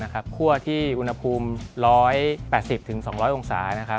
คั่วที่อุณหภูมิ๑๘๐๒๐๐องศา